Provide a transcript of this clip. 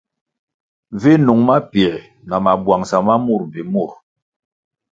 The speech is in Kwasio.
Vi nung mapiē na mabwangʼsa ma mur mbpi murʼ.